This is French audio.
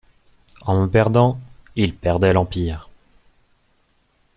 En me perdant, il perdait l'empire!